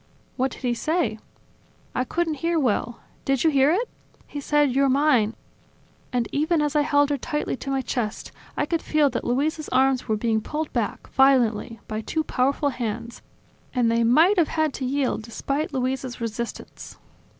"What did he say?" "I couldn't hear well. .. Did you hear it? He said: You're mine!" And even as I held her tightly to my chest, I could feel that Luisa's arms were being pulled back, violently, by two powerful hands; and they might have had to yield, despite Luisa's resistance."